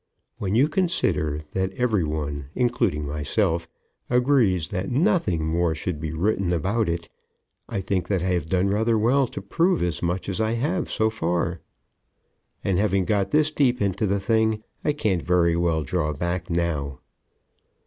When you consider that every one, including myself, agrees that nothing more should be written about it, I think that I have done rather well to prove as much as I have so far. And, having got this deep into the thing, I can't very well draw back now.